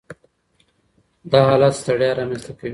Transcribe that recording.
دا حالت ستړیا رامنځ ته کوي.